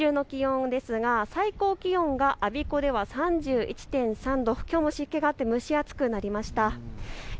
さて、日中の気温ですが最高気温が我孫子では３１．３度、きょうも湿気があって蒸し暑くなりました。